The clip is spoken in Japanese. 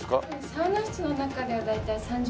サウナ室の中で大体３０分。